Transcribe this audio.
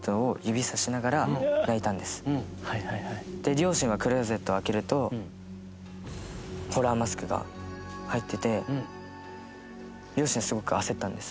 両親がクローゼットを開けるとホラーマスクが入ってて両親すごく焦ったんです。